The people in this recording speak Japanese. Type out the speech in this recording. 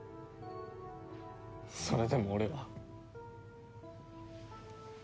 それでも俺は。